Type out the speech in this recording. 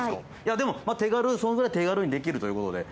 でもそのくらい手軽にできるということで。